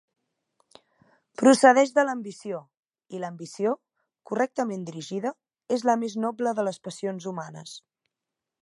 Procedeix de l'ambició; i l'ambició, correctament dirigida, és la més noble de les passions humanes.